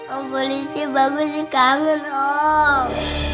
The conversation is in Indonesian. om polisi bagus kangen om